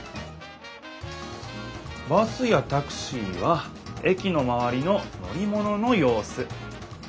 バスやタクシーは駅のまわりの乗り物のようす。